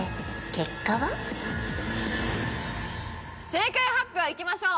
正解発表いきましょう！